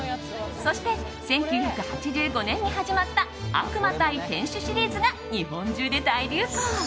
そして、１９８５年に始まった悪魔ＶＳ天使シリーズが日本中で大流行。